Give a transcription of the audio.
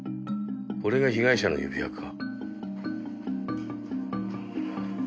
これが被害者の指輪か。